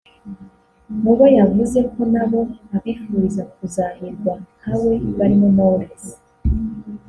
Mu bo yavuze ko na bo abifuriza kuzahirwa nka we barimo Knowless